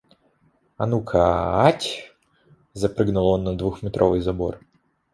«А ну-ка... ать!» — запрыгнул он на двухметровый забор.